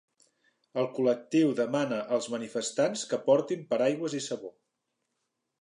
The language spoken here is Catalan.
El col·lectiu demana als manifestants que portin paraigües i sabó.